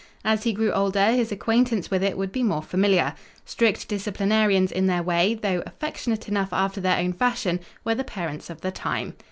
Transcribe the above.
As he grew older his acquaintance with it would be more familiar. Strict disciplinarians in their way, though affectionate enough after their own fashion, were the parents of the time.